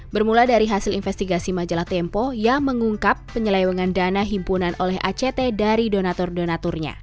bermula dari hasil investigasi majalah tempo yang mengungkap penyelewengan dana himpunan oleh act dari donator donaturnya